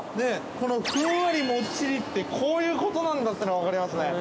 ◆このふんわりもっちりってこういうことなんだというのが分かりますね。